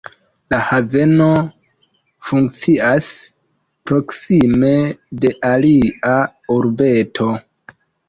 La haveno funkcias proksime de alia urbeto.